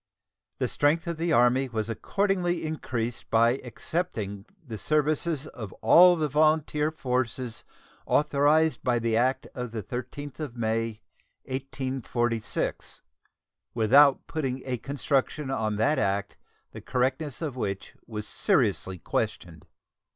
The strength of the Army was accordingly increased by "accepting" the services of all the volunteer forces authorized by the act of the 13th of May, 1846, without putting a construction on that act the correctness of which was seriously questioned.